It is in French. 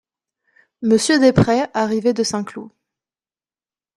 Monsieur Desprez arrivait de Saint-Cloud.